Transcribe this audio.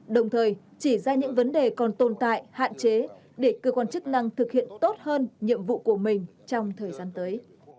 đồng thời chỉ ra những vấn đề còn tồn tại hạn chế để cơ quan chức năng thực hiện tốt hơn nhiệm vụ của mình trong thời gian tới